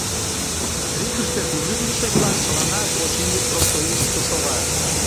Рикыште служитлыше-влак чыланат, очыни, профсоюзышто шогат.